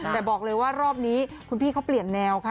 แต่บอกเลยว่ารอบนี้คุณพี่เขาเปลี่ยนแนวค่ะ